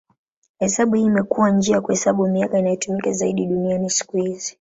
Hesabu hii imekuwa njia ya kuhesabu miaka inayotumika zaidi duniani siku hizi.